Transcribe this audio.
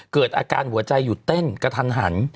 เกิดอาการหัวใจหยุดเต้นกระทันหัน